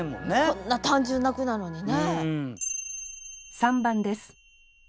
こんな単純な句なのにね。